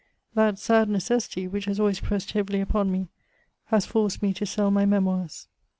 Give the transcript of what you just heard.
That sad necessity, which has always pressed heavily upon me, has forced me to sell my Memoirs.